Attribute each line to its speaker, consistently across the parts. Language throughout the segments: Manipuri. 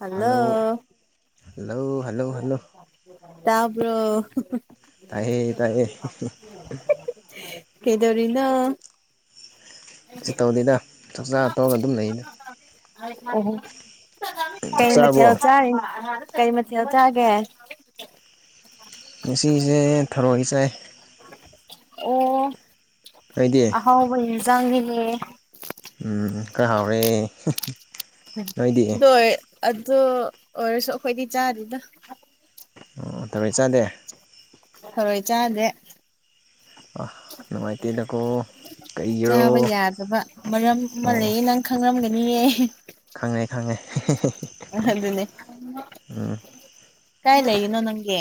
Speaker 1: ꯍꯜꯂꯣ
Speaker 2: ꯍꯜꯂꯣ ꯍꯜꯂꯣ ꯍꯜꯂꯣ
Speaker 1: ꯇꯥꯕ꯭ꯔꯣ ꯍ ꯍ
Speaker 2: ꯇꯥꯏꯌꯦ ꯇꯥꯏꯌꯦ ꯍꯦ ꯍꯤ
Speaker 1: ꯀꯩꯗꯧꯔꯤꯅꯣ
Speaker 2: ꯀꯩꯁꯨ ꯇꯧꯗꯦꯗ ꯆꯥꯛꯆꯥ ꯇꯣꯛꯑꯒ ꯑꯗꯨꯝ ꯂꯩꯗ
Speaker 1: ꯑꯣꯍꯣ
Speaker 2: ꯆꯥꯛ
Speaker 1: ꯀꯩ ꯃꯊꯦꯜ
Speaker 2: ꯆꯥꯔꯕꯣ
Speaker 1: ꯆꯥꯔꯤ ꯀꯩ ꯃꯊꯦꯜ ꯆꯥꯒꯦ
Speaker 2: ꯉꯁꯤꯁꯦ ꯊꯔꯣꯏ ꯆꯥꯏ ꯅꯣꯏꯗꯤ
Speaker 1: ꯑꯣ ꯍꯥꯎꯕ ꯏꯟꯖꯥꯡꯅꯤꯅꯦ
Speaker 2: ꯎꯝ ꯈꯔ ꯍꯥꯎꯔꯦ ꯍ ꯍ
Speaker 1: ꯍꯨꯝ ꯑꯗꯨ ꯑꯣꯏꯔ ꯑꯗꯨ ꯑꯣꯏꯔꯁꯨ ꯑꯩꯈꯣꯏꯗꯤ ꯆꯥꯗꯦꯗ
Speaker 2: ꯑꯣ ꯊꯔꯣꯏ ꯆꯥꯗꯦ
Speaker 1: ꯊꯔꯣꯏ ꯆꯥꯗꯦ
Speaker 2: ꯑ ꯅꯨꯡꯉꯥꯏꯇꯦꯗꯀꯣ
Speaker 1: ꯆꯥꯕ
Speaker 2: ꯀꯩꯒꯤꯔꯣ
Speaker 1: ꯌꯥꯗꯕ ꯃꯔꯝ ꯑꯃ
Speaker 2: ꯑꯣ
Speaker 1: ꯂꯩꯌꯦ ꯅꯪ ꯈꯪꯂꯝꯒꯅꯤꯌꯦ
Speaker 2: ꯈꯪꯉꯦ ꯈꯪꯉꯦ ꯍꯦ ꯍꯦ ꯍꯦ
Speaker 1: ꯑ ꯑꯗꯨꯅꯦ ꯀꯥꯏ ꯂꯩꯔꯤꯅꯣ ꯅꯪꯒꯤ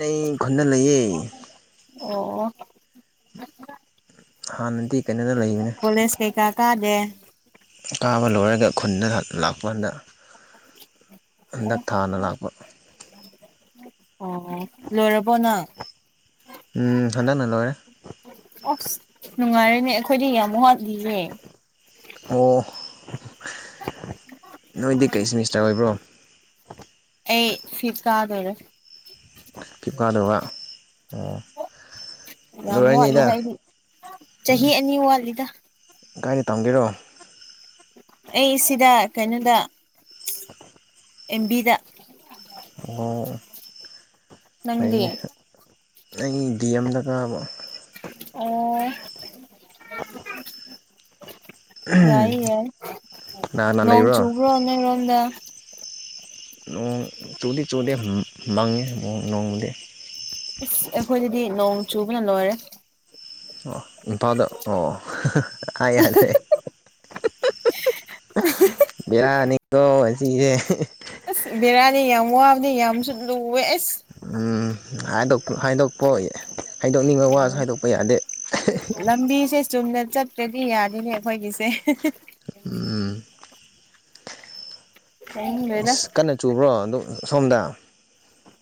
Speaker 2: ꯑꯩ ꯈꯨꯟꯗ ꯂꯩꯌꯦ
Speaker 1: ꯑꯣ
Speaker 2: ꯍꯥꯟꯅꯗꯤ ꯀꯩꯅꯣꯗ ꯂꯩꯕꯅꯦ
Speaker 1: ꯀꯣꯂꯦꯖ ꯀꯩꯀꯥ ꯀꯥꯗꯦ
Speaker 2: ꯀꯥꯕ ꯂꯣꯏꯔꯒ ꯈꯨꯟꯗ ꯂꯥꯛꯄꯗ ꯍꯟꯗꯛ ꯊꯥꯅ ꯂꯥꯛꯄ
Speaker 1: ꯑꯣ ꯂꯣꯏꯔꯕꯣ ꯅꯪ
Speaker 2: ꯎꯝ ꯍꯟꯗꯛꯅ ꯂꯣꯏꯔꯦ
Speaker 1: ꯑꯣꯞꯁ ꯅꯨꯡꯉꯥꯏꯔꯦꯅꯦ ꯑꯩꯈꯣꯏꯗꯤ ꯌꯥꯝ ꯋꯥꯠꯂꯤꯌꯦ
Speaker 2: ꯑꯣ ꯅꯣꯏꯗꯤ ꯀꯩ ꯁꯤꯃꯤꯁꯇꯔ ꯑꯣꯏꯕ꯭ꯔꯣ
Speaker 1: ꯑꯩ ꯐꯤꯞ ꯀꯥꯗꯣꯏꯔꯦ
Speaker 2: ꯐꯤꯐ ꯀꯥꯗꯧꯕ ꯑꯣ
Speaker 1: ꯌꯥꯝ
Speaker 2: ꯂꯣꯏꯔꯅꯤꯗ
Speaker 1: ꯋꯥꯠꯂꯤꯗ ꯑꯩꯗꯤ ꯆꯍꯤ ꯑꯅꯤ ꯋꯥꯠꯂꯤꯗ
Speaker 2: ꯀꯥꯏꯗ ꯇꯝꯒꯦꯔꯣ
Speaker 1: ꯑꯩ ꯁꯤꯗ ꯀꯩꯅꯣꯗ ꯑꯦꯝ ꯕꯤꯗ
Speaker 2: ꯑꯣ
Speaker 1: ꯅꯪꯗꯤ
Speaker 2: ꯐꯩꯅꯦ ꯑꯩ ꯗꯤ ꯑꯦꯝꯗ ꯀꯥꯕ
Speaker 1: ꯑꯣ ꯌꯥꯏ ꯌꯥꯏ
Speaker 2: ꯀꯅꯥ ꯀꯅꯥ
Speaker 1: ꯅꯣꯡ
Speaker 2: ꯂꯩꯕ꯭ꯔꯣ
Speaker 1: ꯆꯨꯕ꯭ꯔꯣ ꯅꯣꯏꯔꯣꯝꯗ
Speaker 2: ꯅꯣꯡ ꯆꯨꯗꯤ ꯆꯨꯗꯦ ꯃꯡꯉꯦ ꯅꯣꯡꯗꯤ
Speaker 1: ꯏꯁ ꯑꯩꯈꯣꯏꯗꯗꯤ ꯅꯣꯡ ꯆꯨꯕꯅ ꯂꯣꯏꯔꯦ
Speaker 2: ꯑꯣ ꯏꯝꯐꯥꯜꯗ ꯑꯣ ꯍ ꯍ ꯑꯥꯏ ꯌꯥꯗ꯭ꯔꯦ ꯕꯦꯔꯥꯅꯤ [unintelligible] ꯁꯤꯡꯖꯦ ꯍꯤ ꯍ
Speaker 1: ꯑꯁ ꯕꯤꯔꯥꯅꯤ ꯌꯥꯝ ꯋꯥꯕꯅꯦ ꯌꯥꯝꯁꯨ ꯂꯨꯋꯦ ꯑꯁ
Speaker 2: ꯎꯝ ꯍꯥꯏꯗꯣꯛꯄ ꯍꯥꯏꯗꯣꯛꯄ ꯍꯥꯏꯗꯣꯛꯅꯤꯡꯕ ꯋꯥꯁꯨ ꯍꯥꯏꯗꯣꯛꯄ ꯌꯥꯗꯦ ꯑꯍꯤ ꯍꯤ
Speaker 1: ꯂꯝꯕꯤꯁꯦ ꯆꯨꯝꯅ ꯆꯠꯇ꯭ꯔꯗꯤ ꯌꯥꯗꯦꯅꯦ ꯑꯩꯈꯣꯏꯒꯤꯁꯦ ꯍꯦ ꯍꯦ
Speaker 2: ꯎꯝ
Speaker 1: ꯍꯗ꯭ꯔꯦꯗ
Speaker 2: ꯑꯁ ꯀꯟꯅ ꯆꯨꯕ꯭ꯔꯣ ꯑꯗꯨ ꯁꯣꯝꯗ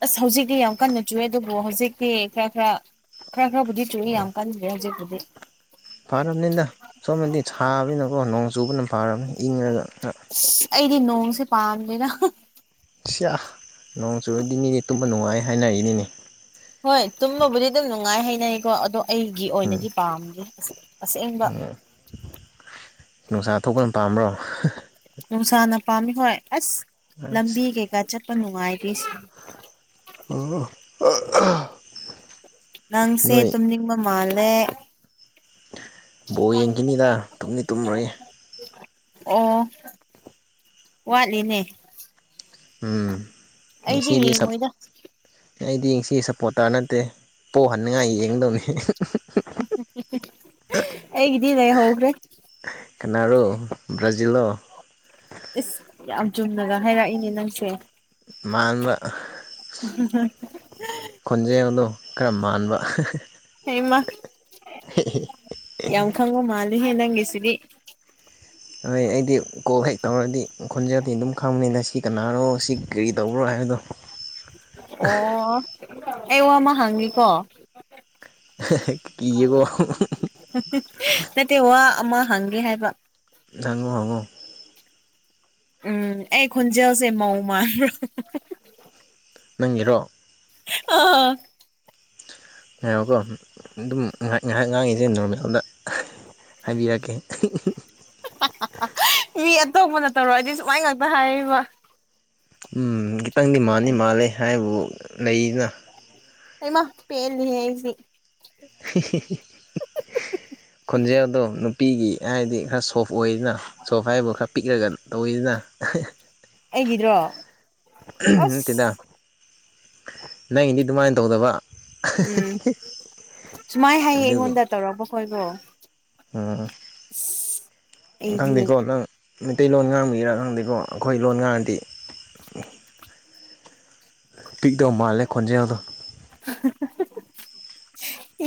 Speaker 1: ꯑꯁ ꯍꯧꯖꯤꯛꯇꯤ ꯌꯥꯝ ꯀꯟꯅ ꯆꯨꯋꯦ ꯑꯗꯨꯕꯨ ꯍꯧꯖꯤꯛꯇꯤ ꯈꯔ ꯈꯔ ꯈꯔ ꯈꯔꯕꯨꯗꯤ ꯆꯨꯏ ꯌꯥꯝ ꯀꯟꯗ꯭ꯔꯦ ꯍꯧꯖꯤꯛꯄꯨꯗꯤ
Speaker 2: ꯐꯥꯔꯕꯅꯤꯗ ꯁꯣꯝꯅꯗꯤ ꯁꯥꯕꯅꯤꯅꯀꯣ ꯅꯣꯡ ꯆꯨꯕꯅ ꯐꯥꯔꯕꯅꯤ ꯏꯪꯉꯒ
Speaker 1: ꯏꯁ ꯑꯩꯗꯤ ꯅꯣꯡꯁꯦ ꯄꯥꯝꯗꯦꯗ꯫
Speaker 2: ꯁꯤꯌꯥ ꯅꯣꯡ ꯆꯨꯔꯗꯤ ꯃꯤꯁꯦ ꯇꯨꯝꯕ ꯅꯨꯡꯉꯥꯏ ꯍꯥꯏꯅꯔꯅꯤꯅꯦ
Speaker 1: ꯍꯣꯏ ꯇꯨꯝꯕꯕꯨꯗꯤ ꯑꯗꯨꯝ ꯅꯨꯡꯉꯥꯏ ꯍꯥꯏꯅꯩꯀꯣ ꯑꯗꯣ ꯑꯩꯒꯤ ꯑꯣꯏꯅꯗꯤ ꯄꯥꯝꯗꯦ ꯫
Speaker 2: ꯑꯣ ꯅꯨꯡꯁꯥ ꯊꯣꯛꯄꯅ ꯄꯥꯝꯕ꯭ꯔꯣ ꯫
Speaker 1: ꯅꯨꯡꯁꯥꯅ ꯄꯥꯝꯃꯤ ꯍꯣꯏ ꯑꯁ
Speaker 2: ꯑꯁ
Speaker 1: ꯂꯝꯕꯤ ꯀꯩꯀꯥ ꯆꯠꯄ ꯅꯨꯡꯉꯥꯏꯔꯤꯁꯤ꯫
Speaker 2: [unintelligible]
Speaker 1: ꯅꯪꯁꯦ
Speaker 2: ꯅꯣꯏ
Speaker 1: ꯇꯨꯝꯅꯤꯡꯕ ꯃꯥꯜꯂꯦ꯫
Speaker 2: ꯕꯣꯜ ꯌꯦꯡꯈꯤꯅꯤꯗ ꯇꯨꯝꯗꯤ ꯇꯨꯝꯃꯔꫭꯏ ꯫
Speaker 1: ꯑꯣ ꯋꯥꯠꯂꯤꯅꯦ꯫
Speaker 2: ꯎꯝ
Speaker 1: ꯑꯩꯗꯤ
Speaker 2: ꯉꯥꯁꯤꯗꯤ ꯁꯥꯞ
Speaker 1: ꯌꯦꯡꯉꯣꯏꯗ
Speaker 2: ꯑꯩꯗꯤ ꯉꯁꯤ ꯁꯥꯞꯄꯣꯔꯇꯥꯔ ꯅꯠꯇꯦ ꯄꯣꯍꯟꯅꯤꯡꯉꯥꯏ ꯌꯦꯡꯗꯧꯅꯤ꯫
Speaker 1: ꯑꯩꯒꯤꯗꯤ ꯂꯩꯍꯧꯈ꯭ꯔꯦ꯫
Speaker 2: ꯀꯅꯥꯔꯣ ꯕ꯭ꯔꯥꯖꯜꯂꫭ ꯫
Speaker 1: ꯏꯁ ꯌꯥꯝ ꯆꯨꯝꯅꯒ ꯍꯥꯏꯔꯛꯏꯅꯦ ꯅꯪꯁꯦ꯫
Speaker 2: ꯃꯥꯟꯕ ꯈꯣꯟꯖꯦꯜꯗꯣ ꯈꯔ ꯃꯥꯟꯕ
Speaker 1: ꯍꯥꯏꯃꯥ ꯌꯥꯝ ꯈꯪꯕ ꯃꯥꯜꯂꯤꯍꯦ ꯅꯪꯒꯤꯁꯤꯗꯤ꯫
Speaker 2: ꯍꯣꯏ ꯑꯩꯗꯤ ꯀꯣꯜ ꯍꯦꯛ ꯇꯧꯔꯗꯤ ꯈꯣꯟꯖꯗꯤ ꯑꯗꯨꯝ ꯈꯪꯕꯅꯤꯗ ꯁꯤ ꯀꯅꯥꯔꯣ ꯁꯤ ꯀꯔꯤ ꯇꯧꯕ꯭ꯔꯣ ꯍꯥꯏꯕꯗꯣ
Speaker 1: ꯑꯣ ꯑꯩ ꯋꯥ ꯑꯃ ꯍꯪꯒꯦꯀꯣ
Speaker 2: ꯀꯩꯌꯦꯕꫭ
Speaker 1: ꯅꯠꯇꯦ ꯋꯥ ꯑꯃ ꯍꯪꯒꯦ ꯍꯥꯏꯕ
Speaker 2: ꯍꯪꯉꯣ ꯍꯪꯉꯣ
Speaker 1: ꯎꯝ ꯑꯩ ꯈꯣꯟꯖꯦꯜꯁꯦ ꯃꯧ ꯃꯥꯟꯕ꯭ꯔ
Speaker 2: ꯅꯪꯒꯤꯔꯣ
Speaker 1: ꯑꯥ
Speaker 2: ꯉꯥꯏꯈꫭꯀꯣ ꯑꯗꯨꯝ ꯉꯥꯏꯍꯥꯛ ꯉꯥꯏꯍꯥꯛ ꯉꯥꯡꯉꯤꯁꯦ ꯅꯣꯔꯃꯦꯜ ꯑꯃꯗ ꯍꯥꯏꯕꯤ ꯔꯥꯛꯀꯦ
Speaker 1: ꯃꯤ ꯑꯇꯣꯞꯄꯅ ꯇꯧꯔꯛ ꯑꯩꯗꯤ ꯁꯨꯃꯥꯏ ꯉꯥꯛꯇ ꯍꯥꯏꯌꯦꯕ
Speaker 2: ꯎꯝ ꯈꯤꯇꯪꯗꯤ ꯃꯥꯥꯟꯗꯤ ꯃꯥꯂꯦ ꯍꯥꯏꯕꯨ ꯂꯩꯗꯅ
Speaker 1: ꯍꯩꯃꯥ ꯄꯦꯜꯂꯤꯍꯦ ꯑꯩꯗꯤ
Speaker 2: ꯈꯣꯟꯖꯦꯜꯗꯣ ꯅꯨꯄꯤꯒꯤ ꯍꯥꯏꯗꯤ ꯈꯔ ꯁꯣꯐ ꯑꯣꯏꯗꯅ ꯁꯣꯐ ꯍꯥꯏꯕꯨ ꯈꯔ ꯄꯤꯛꯑꯒ ꯑꫭꯏꯗꯅ
Speaker 1: ꯑꯩꯒꯤꯗ꯭ꯔꯣ
Speaker 2: ꯅꯠꯇꯦꯗ
Speaker 1: ꯑꯁ
Speaker 2: ꯅꯪꯒꯤꯗꯤ ꯑꯗꯨꯃꯥꯏꯅ ꯇꯧꯗꯕ
Speaker 1: ꯎꯝ ꯁꯨꯃꯥꯏ ꯍꯥꯏꯌꯦ ꯑꯩꯉꯣꯟꯗ ꯇꯧꯔꯛꯄ ꯈꯣꯏꯗꫭ
Speaker 2: ꯎ
Speaker 1: ꯑꯩꯗꯤ
Speaker 2: ꯅꯪꯗꯤꯀꯣ ꯅꯪ ꯃꯩꯇꯩꯂꯣꯟ ꯉꯥꯡꯕꯩꯔꯥ ꯈꯪꯗꯦꯀꯣ ꯑꯩꯈꯣꯏ ꯂꯣꯟ ꯉꯥꯡꯉꯗꯤ ꯄꯤꯛꯇꯥꯎ ꯃꯥꯜꯂꯦ ꯈꯣꯟꯖꯦꯜꯗꫭ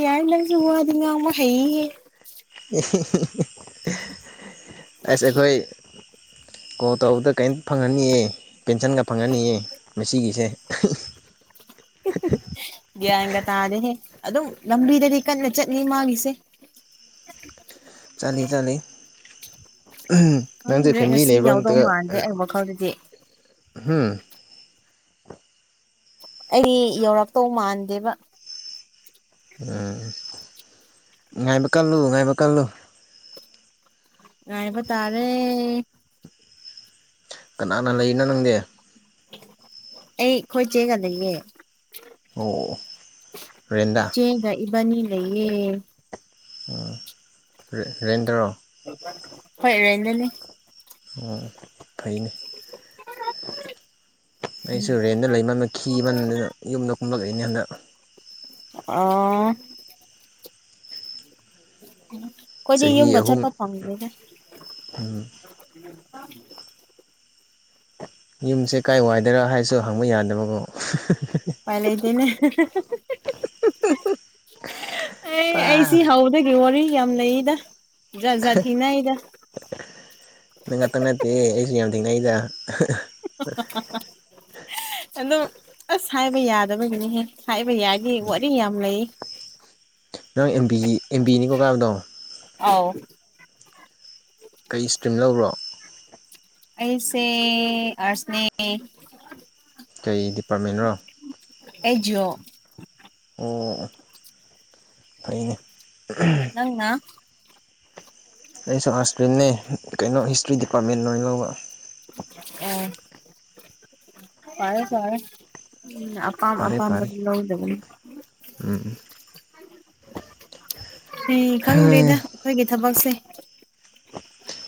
Speaker 1: ꯌꯥꯏ ꯅꯪꯁꯨ ꯋꯥꯗꯤ ꯉꯥꯡꯕ ꯍꯩꯌꯦꯌꯦ꯫
Speaker 2: ꯑꯁ ꯑꯩꯈꯣꯏ ꯀꯣ ꯇꯧꯕꯗ ꯀꯩꯝ ꯐꯪꯍꯟꯅꯤꯑꯦ ꯄꯦꯟꯁꯟꯒ ꯐꯪꯍꯟꯅꯤꯑꯦ ꯉꯁꯤꯒꯤꯁꯦ
Speaker 1: [unintelligible] ꯒ꯭ꯌꯥꯟꯒ ꯇꯥꯗꯦꯍꯦ ꯑꯗꯨꯝ ꯂꯝꯕꯤꯗꯗꯤ ꯀꯟꯅ ꯆꯠꯂꯤ ꯃꯥꯒꯤꯁꯦ
Speaker 2: ꯆꯠꯂꯤ ꯆꯠꯂꯤ ꯅꯪꯁꯦ
Speaker 1: ꯈꯪꯗ꯭ꯔꯦ
Speaker 2: ꯐꯦꯃꯤꯂꯤ
Speaker 1: ꯉꯁꯤ
Speaker 2: ꯂꯩꯕ꯭ꯔꯣ
Speaker 1: ꯌꯥꯎꯗꯧ
Speaker 2: ꯅꯠꯇ꯭ꯔꯒ
Speaker 1: ꯃꯥꯟꯗ꯭ꯔꯦ ꯑꯩ ꯋꯥꯈꯜꯗꯗꯤ
Speaker 2: ꯍꯨꯝ
Speaker 1: ꯑꯩ ꯌꯧꯔꯛꯇꯧ ꯃꯥꯟꯗꯦꯕ
Speaker 2: ꯎꯝ ꯉꯥꯏꯕ ꯀꯜꯂꯨ ꯉꯥꯏꯕ ꯀꯜꯂꯨ
Speaker 1: ꯉꯥꯏꯕ ꯇꯥꯔꯦ꯫
Speaker 2: ꯀꯅꯥꯅ ꯂꯩꯅꫭ ꯅꯪꯗꯤ꯫
Speaker 1: ꯑꯩ ꯈꯣꯏ ꯆꯦꯒ ꯂꯩꯌꯦ
Speaker 2: ꯑꯣ ꯔꯦꯟꯗ
Speaker 1: ꯏꯆꯦꯒ ꯏꯕꯥꯏꯅꯤ ꯂꯩꯌꯦ
Speaker 2: ꯎꯝ ꯔꯦꯟ ꯔꯦꯟꯗꯔꯣ
Speaker 1: ꯍꯣꯏ ꯔꯦꯟꯗꯅꯦ
Speaker 2: ꯑꯣ ꯐꯩꯅꯦ ꯑꯩꯁꯨ ꯔꯦꯟꯗ ꯂꯦꯟꯇ ꯀꯤꯃꯟꯗꯅ ꯌꯨꯝꯗ ꯀꯨꯝꯂꯛꯔꯤꯅꯦ ꯍꯟꯗꯛ
Speaker 1: ꯑꫭ ꯑꯩꯈꯣꯏꯗꯤ
Speaker 2: ꯆꯍꯤ
Speaker 1: ꯌꯨꯝꯒ
Speaker 2: ꯑꯍꯨꯝ
Speaker 1: ꯆꯠꯄ ꯐꯪꯗꯦꯗ
Speaker 2: ꯌꯨꯝꯁꯦ ꯀꯥꯏ ꯋꯥꯏꯗꯔ ꯍꯥꯏꯁꯨ ꯍꯪꯕ ꯌꯥꯗꯕꯀꯣ
Speaker 1: ꯎꯄꯥꯏ ꯂꯩꯇꯦꯅꯦ ꯑꯩ
Speaker 2: ꯄꯥ
Speaker 1: ꯑꯩ ꯁꯤ ꯍꯧ ꯑꯗꯨꯒꯤ ꯋꯥꯔꯤ ꯌꯥꯝ ꯂꯩꯗꯖꯥꯠ ꯖꯥꯠ ꯀꯤ ꯋꯥꯔꯤ ꯂꯩꯗ
Speaker 2: ꯅꯣꯏ ꯉꯥꯛꯇꯪ ꯅꯠꯇꯦ ꯑꯩꯁꯨ ꯌꯥꯝ ꯊꯦꯡꯅꯩꯗ
Speaker 1: ꯍ ꯑꯗꯨ ꯑꯁ ꯍꯥꯏꯕ ꯌꯥꯗꯕꯒꯤꯅꯤꯍꯦ ꯍꯥꯏꯕ ꯌꯥꯒꯦ ꯋꯥꯔꯤ ꯌꯥꯝ ꯂꯩꯌꯦ
Speaker 2: ꯅꯪ ꯑꯦꯝꯕꯤ ꯑꯦꯝꯕꯤꯅꯤꯀꯣ ꯀꯥꯕꯗꯣ
Speaker 1: ꯑꯥꯎ
Speaker 2: ꯀꯩ ꯏꯁꯇ꯭ꯔꯤꯝ ꯂꯧꯕ꯭ꯔꯣ
Speaker 1: ꯑꯩꯁꯦ ꯑꯔꯁꯅꯦ
Speaker 2: ꯀꯔꯤ ꯗꯤꯄꯥꯔꯠꯃꯦꯟꯔꯣ
Speaker 1: ꯑꯩ ꯖꯤꯑꯣ
Speaker 2: ꯑꯣ ꯐꯩꯅꯦ ꯎꯝ
Speaker 1: ꯅꯪꯅ
Speaker 2: ꯑꯩꯁꯨ ꯑꯔꯠꯁ ꯁꯇ꯭ꯔ꯭ꯤꯝꯅꯦ ꯀꯩꯅꯣ ꯍꯤꯁꯇ꯭ꯔꯤ ꯗꯤꯄꯥꯔꯠꯃꯦꯟ ꯑꯣꯏ ꯂꯧꯕ
Speaker 1: ꯎꯝ ꯐꯔꯦ ꯐꯔꯦ ꯎꯝ ꯑꯄꯥꯝ
Speaker 2: ꯐꯔꯦ ꯐꯔꯦ
Speaker 1: ꯑꯄꯥꯝꯕꯗꯤ ꯂꯧꯖꯕꯅꯤ
Speaker 2: ꯎꯝ
Speaker 1: ꯑꯩ
Speaker 2: ꯎꯝ
Speaker 1: ꯈꯪꯗ꯭ꯔꯤꯗ ꯑꯩꯈꯣꯏꯒꯤ ꯊꯕꯛꯁꯦ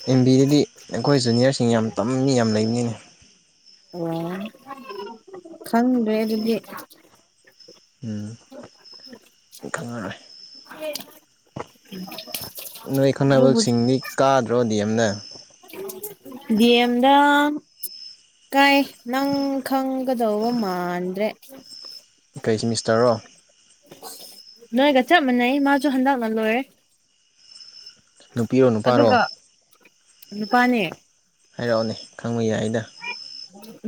Speaker 2: ꯑꯦꯝ ꯕꯤꯌꯦꯗꯤ ꯑꯩꯈꯣꯏ ꯖꯨꯅꯤꯌꯔꯁꯤꯡ ꯌꯥꯝ ꯇꯝꯃꯤ ꯌꯥꯝ ꯂꯩꯕꯅꯤꯅꯦ
Speaker 1: ꯑꯣ ꯈꯪꯗ꯭ꯔꯦ ꯑꯗꯨꯗꯤ
Speaker 2: ꯎꯝ ꯈꯪꯉꯔꯣꯏ ꯅꯣꯏ
Speaker 1: ꯑꯗꯨꯕꯨ
Speaker 2: ꯈꯪꯅꯕꯁꯤꯡꯗꯤ ꯀꯥꯗ꯭ꯔꯣ ꯗꯤ. ꯑꯦꯝ ꯅ
Speaker 1: ꯗꯤ. ꯑꯦꯝꯗ ꯀꯥꯏ ꯅꯪ ꯈꯪꯒꯗꯧꯕ ꯃꯥꯟꯗ꯭ꯔꯦ
Speaker 2: ꯀꯩ ꯁꯦꯃꯤꯁꯇꯔ ꯔꯣ
Speaker 1: ꯅꯣꯏꯒ ꯆꯞ ꯃꯥꯟꯅꯩ ꯃꯥꯁꯨ ꯍꯟꯗꯛꯅ ꯂꯣꯏꯔꯦ
Speaker 2: ꯅꯨꯄꯤꯔꯣ ꯅꯨꯄꯥꯔꯣ
Speaker 1: ꯑꯗꯨꯒ ꯅꯨꯄꯥꯅꯦ
Speaker 2: ꯍꯥꯏꯔꯛꯑꯣꯅꯦ ꯈꯪꯕ ꯌꯥꯏ ꯑꯩꯅ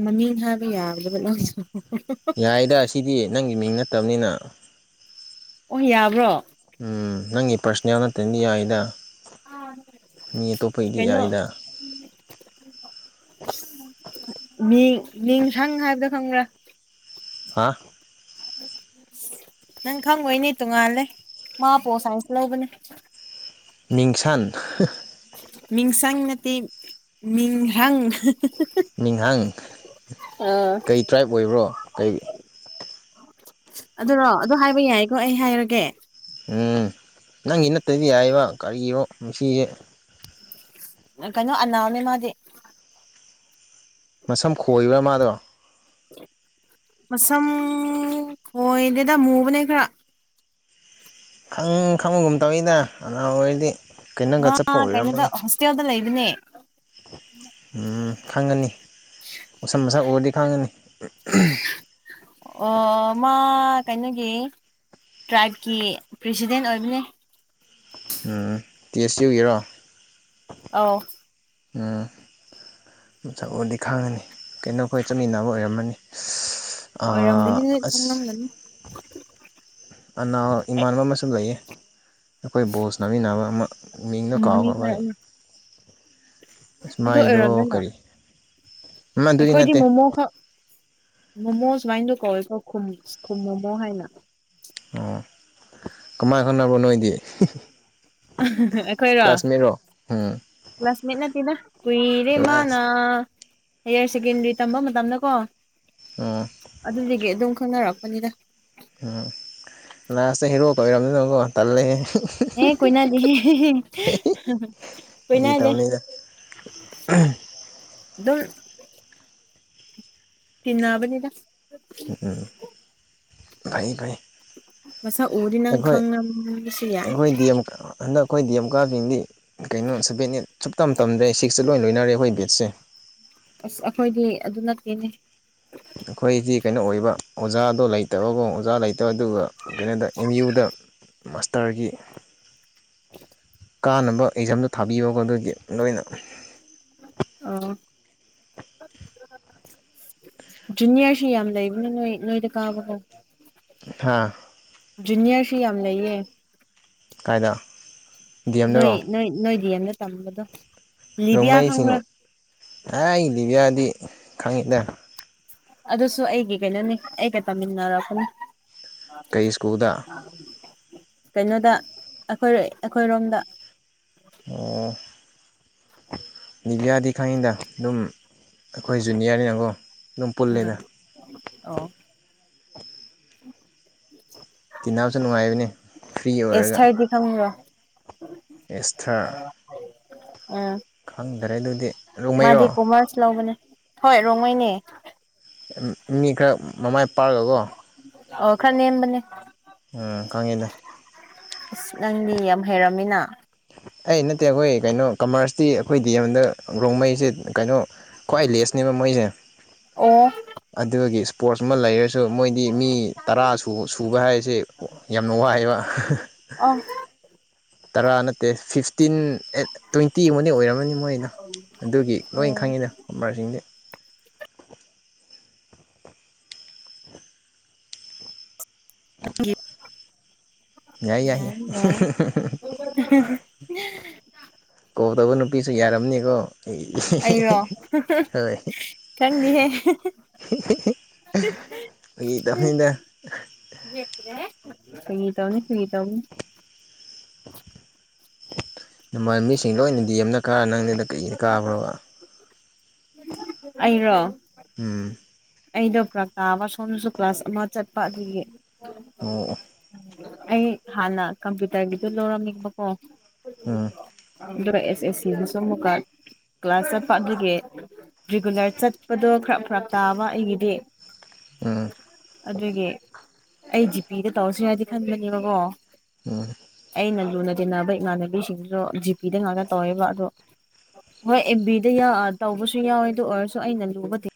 Speaker 1: ꯃꯃꯤꯡ ꯍꯥꯏꯕ ꯌꯥꯒꯗꯕ ꯃꫭꯏꯉꯤꯁꯨ
Speaker 2: ꯌꯥꯏꯗ ꯁꯤꯗꯤ ꯅꯪꯒꯤ ꯃꯤꯡ ꯅꯠꯇꯕꯅꯤꯅ
Speaker 1: ꯑꯣ ꯌꯥꯕ꯭ꯔꯣ
Speaker 2: ꯎꯝ ꯅꯪꯒꯤ ꯄꯔꯁꯅꯦꯜ ꯅꯠꯇꯔꯗꯤ ꯌꯥꯏꯗ ꯃꯤ ꯑꯇꯣꯞꯄꯒꯤꯗꯤ
Speaker 1: ꯀꯩꯅꯣ
Speaker 2: ꯌꯥꯏꯗ
Speaker 1: ꯃꯤ ꯅꯤꯡꯁꯪ ꯍꯥꯏꯕꯗꯣ ꯈꯪꯕ꯭ꯔꯥ
Speaker 2: ꯍꯥ
Speaker 1: ꯅꯪ ꯈꯪꯉꯣꯏꯅꯦ ꯇꯣꯡꯉꯥꯜꯂꯦ ꯃꯥ ꯄꯣꯜ ꯁꯥꯏꯟꯁ ꯂꯧꯕꯅꯦ
Speaker 2: ꯃꯤꯡꯁꯪ
Speaker 1: ꯃꯤꯡꯁꯪ ꯅꯠꯇꯦ ꯃꯤꯡꯍꯪ
Speaker 2: ꯃꯤꯡꯍꯪ
Speaker 1: ꯑ
Speaker 2: ꯀꯩ ꯇ꯭ꯔꯥꯏꯞ ꯑꯣꯏꯕ꯭ꯔꯣ ꯀꯩ
Speaker 1: ꯑꯗꯨꯔꯣ ꯑꯗꯨ ꯍꯥꯏꯕ ꯌꯥꯏꯀꯣ ꯑꯩ ꯍꯥꯏꯔꯒꯦ
Speaker 2: ꯎꯝ ꯅꯪꯒꯤ ꯅꯠꯇꯗꯤ ꯌꯥꯏꯕ ꯀꯔꯤꯅꯣ ꯃꯁꯤꯗꯤ
Speaker 1: ꯀꯩꯅꯣ ꯑꯅꯥꯜꯅꯦ ꯃꯥꯗꯤ
Speaker 2: ꯃꯁꯝ ꯈꯣꯏꯕ꯭ꯔꯥ ꯃꯥꯗꯣ
Speaker 1: ꯃꯁꯝ ꯈꯣꯏꯗꯦꯗ ꯃꯨꯕꯅꯦ ꯈꯔ
Speaker 2: ꯈꯪ ꯈꯪꯕꯒꯨꯝ ꯇꯧꯏꯗ ꯑꯅꯥꯜ ꯑꯣꯏꯗꯤ
Speaker 1: ꯃꯥ ꯀꯩꯅꯣꯗ ꯍꯣꯁꯇꯦꯜꯗ ꯂꯩꯕꯅꯦ
Speaker 2: ꯎꯝ ꯈꯪꯉꯅꯤ ꯃꯁꯝ ꯃꯁꯥꯛ ꯎꯔꯗꯤ ꯈꯥꯉꯅꯤ
Speaker 1: ꯑꯣ ꯃꯥ ꯀꯩꯅꯣꯒꯤ ꯇ꯭ꯔꯥꯏꯕꯀꯤ ꯄ꯭ꯔꯦꯁꯤꯗꯦꯟ ꯑꯣꯏꯕꯅꯦ
Speaker 2: ꯎꯝ ꯇꯦꯁ ꯎ ꯒꯤꯔꯣ꯫
Speaker 1: ꯑꯥꯎ
Speaker 2: ꯎꯝ ꯃꯥꯁꯛ ꯎꯔ꯭ꯗꯤ ꯈꯥꯡꯉꯅꯤ ꯀꯩꯅꯣ ꯑꯩꯈꯣꯏ ꯆꯠꯃꯤꯟꯅꯕ ꯑꯣꯏꯔꯝꯃꯅꯤ ꯑꯥ
Speaker 1: ꯑꯣꯏꯔꯝꯒꯅꯤ ꯅꯣꯏ
Speaker 2: ꯑꯁ
Speaker 1: ꯈꯪꯂꯝꯒꯅꯤ
Speaker 2: ꯑꯅꯥꯜ ꯏꯃꯥꯟꯕ ꯑꯃꯁꯨ ꯂꯩꯌꯦ ꯑꯩꯈꯣꯏ ꯕꯣꯜ ꯁꯥꯅꯥꯃꯤꯟꯅꯕ ꯑꯃ ꯃꯤꯡꯗꯣ
Speaker 1: ꯎꯝ ꯃꯤ
Speaker 2: ꯀꯥꯎꯈꯔꯕ ꯑꯩ
Speaker 1: ꯍꯥꯏꯔꯛꯅꯦ ꯑꯗꯨ
Speaker 2: ꯃꯥꯏꯗꯣ
Speaker 1: ꯑꯣꯏꯔꯝꯗꯅ
Speaker 2: ꯀꯔꯤ ꯑꯗꯨꯗꯤ
Speaker 1: ꯑꯩꯈꯣꯏꯗꯤ
Speaker 2: ꯅꯠꯇꯦ
Speaker 1: ꯃꯣꯃꯣꯈꯛ ꯃꯣꯃꯣ ꯁꯨꯃꯥꯏꯅꯗꯨꯝ ꯀꯧꯋꯦ ꯀꯨꯝ ꯈꯨꯝ ꯃꯣꯃꯣ ꯍꯥꯏꯅ꯫
Speaker 2: ꯑꯣ ꯀꯃꯏ ꯈꯪꯅꯕꯔꯣ ꯅꯣꯏꯗꯤ
Speaker 1: ꯑꯩꯈꯣꯏꯔꯣ
Speaker 2: ꯀ꯭ꯂꯥꯁꯃꯦꯠꯔꯣ ꯎꯝ
Speaker 1: ꯀ꯭ꯂꯥꯁꯃꯦꯠ ꯅꯠꯇꯦꯗ ꯀꯨꯏꯔꯦ ꯃꯥꯅ
Speaker 2: ꯂꯥꯁ
Speaker 1: ꯍꯥꯏꯌꯔ ꯁꯦꯀꯦꯟꯗꯔꯤ ꯇꯝꯕ ꯃꯇꯝꯗ ꯀꯣ
Speaker 2: ꯎꯝ
Speaker 1: ꯑꯗꯨꯗꯒꯤ ꯑꯗꯨꯝ ꯈꯪꯅꯔꯛꯄꯅꯤꯗ
Speaker 2: ꯎꯝ ꯂꯥꯁꯇ ꯍꯦꯔꯣꯀꯥ ꯑꯣꯏꯔꯝꯗꯅꯀꯣ ꯇꯜꯂꯂꯦꯍꯦ
Speaker 1: ꯍꯦ ꯀꯣꯏꯅꯗꯦꯍꯦ
Speaker 2: ꯐꯥꯒꯤ
Speaker 1: ꯀꯣꯏꯅꯗꯦ
Speaker 2: ꯇꯧꯕꯅꯤꯗ
Speaker 1: ꯗꯨꯝ ꯇꯤꯟꯅꯕꯅꯤꯗ
Speaker 2: ꯎꯝ ꯐꯥꯏ ꯐꯥꯏ
Speaker 1: ꯃꯁꯛ ꯎꯔꯗꯤ ꯅꯪ
Speaker 2: ꯑꯩꯈꯣꯏ
Speaker 1: ꯈꯪꯂꯝꯕꯁꯨ ꯌꯥꯏ
Speaker 2: ꯑꯩꯈꯣꯏ ꯗꯤ ꯑꯦꯝ ꯍꯟꯗꯛ ꯑꯩꯈꯣꯏ ꯗꯤ ꯑꯦꯝ ꯀꯥꯕꯁꯤꯡꯗꯤ ꯀꯩꯅꯣ ꯁꯕꯦꯟ ꯑꯩꯠ ꯁꯨꯞ ꯇꯝ ꯇꯝꯗ꯭ꯔꯦ ꯁꯤꯛꯁꯇ ꯂꯣꯏ ꯂꯣꯏꯅꯔꯦ ꯑꯩꯈꯣꯏ ꯕꯦꯠꯁꯦ
Speaker 1: ꯑꯁ ꯑꯩꯈꯣꯏꯗꯤ ꯑꯗꯨ ꯅꯠꯇꯦꯅꯦ
Speaker 2: ꯑꯩꯈꯣꯏꯗꯤ ꯀꯩꯅꯣ ꯑꯣꯏꯕ ꯑꯣꯖꯥꯗꯣ ꯂꯩꯇꯕꯀꯣ ꯑꯣꯖꯥ ꯂꯩꯇꯕ ꯑꯗꯨꯒꯥ ꯀꯩꯅꯣꯗ ꯑꯦꯝ ꯌꯨꯗ ꯃꯥꯁꯇꯔꯒꯤ ꯀꯥꯟꯅꯕ ꯑꯦꯛꯖꯥꯝꯗꯣ ꯊꯥꯕꯤꯌꯣꯒ ꯑꯗꯨꯗꯤ ꯂꯣꯏꯅ
Speaker 1: ꯑꯣ ꯖꯨꯅꯤꯌꯔꯁꯨ ꯌꯥꯝ ꯂꯩꯕꯅꯤ ꯅꯣꯏ ꯅꯣꯏꯗ ꯀꯥꯕꯀꯣ
Speaker 2: ꯍꯥ
Speaker 1: ꯖꯨꯅꯤꯌꯥꯔꯁꯨ ꯌꯥꯝ ꯂꯩꯌꯦ
Speaker 2: ꯀꯥꯏꯗ ꯗꯤ
Speaker 1: ꯅꯣꯏ
Speaker 2: ꯑꯦꯝꯗꯔꯣ
Speaker 1: ꯅꯣꯏ ꯅꯣꯏ ꯗꯤ ꯑꯦꯝꯗ ꯇꯝꯕꯗꯣ ꯂꯤꯕꯤꯌꯥ
Speaker 2: ꯔꯣꯡꯃꯩꯁꯤꯡ
Speaker 1: ꯈꯪꯕ꯭ꯔꯥ
Speaker 2: ꯀꯥꯔꯥꯏ ꯗꯤꯕꯤꯌꯥꯗꯤ ꯈꯪꯉꯤꯗ
Speaker 1: ꯑꯗꯨꯁꯨ ꯑꯩꯒꯤ ꯀꯩꯅꯣꯅꯤ ꯑꯩꯒ ꯇꯥꯃꯤꯟꯅꯔꯛꯄꯅꯤ
Speaker 2: ꯀꯩ ꯁ꯭ꯀꯨꯜꯗ
Speaker 1: ꯀꯩꯅꯣꯗ ꯑꯩꯈꯣꯏ ꯑꯩꯈꯣꯏꯔꯣꯝꯗ
Speaker 2: ꯑꯣ ꯗꯤꯌꯥꯗꯤ ꯈꯪꯉꯤꯗ ꯑꯗꯨꯝ ꯑꯩꯈꯣꯏ ꯖꯨꯅꯤꯌꯥꯔꯅꯤ ꯅꯪꯉꯣ
Speaker 1: ꯎꯝ ꯑꯣ
Speaker 2: ꯇꯤꯅꯥꯕꯁꯨ ꯅꯨꯡꯉꯥꯏꯕꯅꯤ ꯐ꯭ꯔꯤ ꯑꯣꯏꯔꯒ
Speaker 1: [unintelligible]
Speaker 2: ꯏꯁꯊ꯭ꯔ
Speaker 1: ꯎꯝ
Speaker 2: ꯈꯪꯗ꯭ꯔꯦꯗꯨꯗꯤ
Speaker 1: ꯃꯥꯗꯤ ꯀꯣꯃꯔꯁ ꯂꯧꯕꯅꯦ ꯍꯣꯏ ꯔꯣꯡꯃꯩꯅꯦ
Speaker 2: ꯃꯤ ꯈꯔ ꯃꯃꯥꯏ ꯄꯥꯛꯑꯒꯒꯣ
Speaker 1: ꯑꯣ ꯈꯔ ꯅꯦꯝꯕꯅꯦ
Speaker 2: ꯑꯝ ꯈꯪꯉꯤꯗꯥ
Speaker 1: ꯑꯁ ꯅꯪꯗꯤ ꯌꯥꯝ ꯍꯩꯔꯝꯃꯤꯅ
Speaker 2: ꯑꯩ ꯅꯠꯇꯦ ꯑꯈꯣꯏ ꯀꯩꯅꯣ ꯀꯃꯔꯁꯇꯤ ꯑꯈꯣꯏ ꯗꯤ ꯑꯦꯝ ꯗ ꯔꯣꯡꯃꯩꯁꯦ ꯀꯩꯅꯣ ꯈ꯭ꯋꯥꯏ ꯂꯦꯁꯅꯦꯕ ꯃꯣꯏꯁꯦ
Speaker 1: ꯑꯣ
Speaker 2: ꯑꯗꯨꯒꯤ ꯁ꯭ꯄꯣꯔꯠꯁ ꯑꯃ ꯂꯩꯔꯁꯨ ꯃꯣꯏꯗꯤ ꯃꯤ ꯇꯔꯥ ꯁꯨꯕ ꯍꯥꯏꯁꯦ ꯌꯥꯝꯅ ꯋꯥꯏꯑꯦꯕ
Speaker 1: ꯑꯧ
Speaker 2: ꯇꯔꯥ ꯅꯠꯇꯦ ꯐꯤꯐꯇꯤꯟ ꯑꯩꯠ ꯇ꯭ꯋꯦꯟꯇꯤ ꯑꯃꯗꯤ ꯑꯣꯏꯔꯝꯃꯅꯤ ꯃꯣꯏꯗꯣ ꯑꯗꯨꯒꯤ ꯂꯣꯏ
Speaker 1: ꯑꯣ
Speaker 2: ꯈꯪꯉꯤꯅꯦ ꯀꯃꯔꯁꯤꯡꯗꯤ
Speaker 1: ꯅꯪꯒꯤ ꯌꯥꯏ ꯌꯥꯏ
Speaker 2: ꯀꯧꯗꯕ ꯅꯨꯄꯤꯁꯨ ꯌꯥꯔꯝꯅꯤꯀꯣ
Speaker 1: ꯑꯩꯔꯣ
Speaker 2: ꯍꯣꯏ
Speaker 1: ꯈꯪꯗꯦꯍꯦ
Speaker 2: ꯐꯥꯒꯤ ꯇꯧꯅꯤꯗ
Speaker 1: ꯐꯤꯒꯤ ꯇꯧꯅꯤ ꯐꯤꯒꯤ ꯇꯧꯅꯤ
Speaker 2: ꯅꯃꯥꯅꯕꯤꯁꯤꯡ ꯂꯣꯏꯅ ꯗꯤ ꯑꯦꯝ ꯗ ꯀꯥꯔ ꯅꯪꯗꯤ ꯅ ꯀꯩꯒꯤ ꯀꯥꯕ꯭ꯔꯥꯕ
Speaker 1: ꯑꯩꯔꯣ
Speaker 2: ꯎꯝ
Speaker 1: ꯑꯩꯗꯣ ꯐꯔꯛ ꯇꯥꯕ ꯁꯣꯝꯗꯁꯨ ꯀ꯭ꯂꯥꯁ ꯑꯃ ꯆꯠꯄ ꯑꯗꯨꯒꯤ
Speaker 2: ꯑꯣ
Speaker 1: ꯑꯩ ꯍꯥꯟꯅ ꯀꯝꯄ꯭ꯌꯨꯇꯔꯒꯤꯗꯨ ꯂꯧꯔꯝꯃꯤꯕꯀꯣ
Speaker 2: ꯎꯝ
Speaker 1: ꯑꯗꯨꯒꯥ ꯑꯦꯁ ꯑꯦꯁ ꯁꯤ ꯑꯃꯨꯛꯀꯥ ꯀ꯭ꯂꯥꯁ ꯆꯠꯄ ꯑꯗꯨꯒꯤ ꯔꯤꯒꯨꯂꯔ ꯆꯠꯄꯗꯣ ꯈꯔ ꯐꯔꯛ ꯇꯥꯕ ꯑꯩꯒꯤꯗꯤ
Speaker 2: ꯎꯝ
Speaker 1: ꯑꯗꯨꯒꯤ ꯑꯩ ꯖꯤ ꯄꯤ ꯗ ꯇꯧꯔꯥꯁꯤꯔꯗꯤ ꯈꯟꯕꯅꯦꯕꯀꯣ
Speaker 2: ꯎꯝ
Speaker 1: ꯑꯩꯅ ꯂꯨꯅ ꯇꯤꯟꯅꯕ ꯏꯃꯥꯟꯅꯕꯤꯁꯤꯡꯗꯨꯁꯨ ꯖꯤꯄꯤꯗ ꯉꯥꯛꯇ ꯇꯧꯋꯦꯕ ꯑꯗꯨ ꯍꯣꯏ ꯑꯦꯝ ꯕꯤꯗ ꯌꯥꯎ ꯇꯧꯕꯁꯨ ꯌꯥꯎꯋꯦ ꯑꯗꯨ ꯑꯣꯏꯔꯁꯨ ꯑꯩꯅ ꯂꯨꯕꯗꯤ